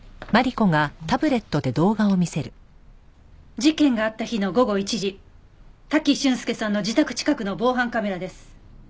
事件があった日の午後１時滝俊介さんの自宅近くの防犯カメラです。